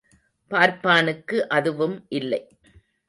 பார்பபானுக்கு அதுவும் இல்லை.